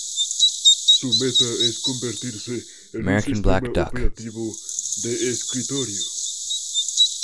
Su meta es convertirse en un sistema operativo de escritorio.